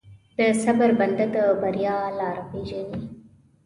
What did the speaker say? د صبر بنده، د بریا لاره پېژني.